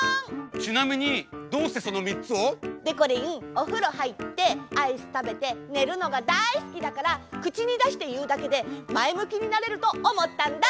ちなみにどうしてそのみっつを？でこりんおふろはいってアイスたべてねるのがだいすきだからくちにだしていうだけでまえむきになれるとおもったんだ！